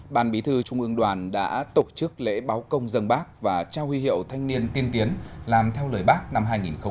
ban bí thư trung ương đoàn đã tổ chức lễ báo công dân bác và trao huy hiệu thanh niên tiên tiến làm theo lời bác năm hai nghìn hai mươi